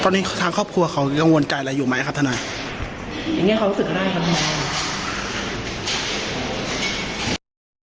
ตอนนี้ทางครอบครัวเขากังวลใจอะไรอยู่ไหมครับทนายอย่างเงี้เขารู้สึกได้ครับทนาย